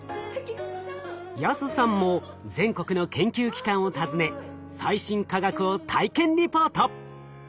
安さんも全国の研究機関を訪ね最新科学を体験リポート。